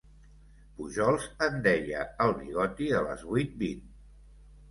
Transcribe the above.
Pujols en deia el bigoti de les vuit vint.